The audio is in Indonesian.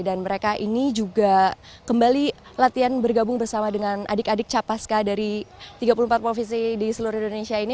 dan mereka ini juga kembali latihan bergabung bersama dengan adik adik capaska dari tiga puluh empat provinsi di seluruh indonesia ini